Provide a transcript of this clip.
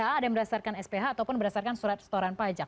tidak ada yang berdasarkan sph ataupun berdasarkan surat setoran pajak